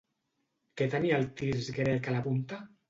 Què tenia el tirs grec a la punta?